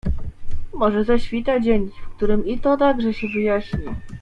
"Może zaświta dzień, w którym i to także się wyjaśni."